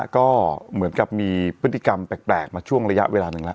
ก็เหมือนกับมีพฤติกรรมแปลกมาช่วงระยะเวลาหนึ่งแล้ว